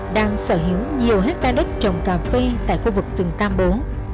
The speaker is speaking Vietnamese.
đang sở hữu nhiều hectare đất trồng cà phê tại khu vực rừng tam bố